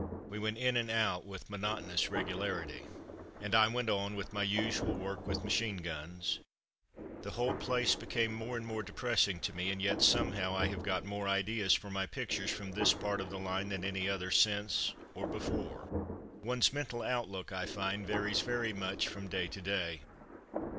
We went in and out with monotonous regularity, and I went on with my usual work with machine guns. The whole place became more and more depressing to me, and yet, somehow, I have got more ideas for my pictures from this part of the line than any other since or before. One's mental outlook, I find, varies very much from day to day.